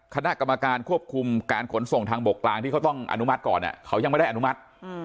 คณะกรรมการควบคุมการขนส่งทางบกกลางที่เขาต้องอนุมัติก่อนเขายังไม่ได้อนุมัติ